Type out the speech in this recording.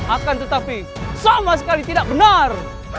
akan tetapi sama sekali tidak benar